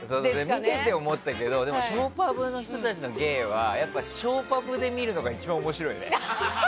見てて思ったけどショーパブの人たちの芸はやっぱり、ショーパブで見るのが一番面白いね。